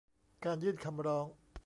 การยื่นคำร้อง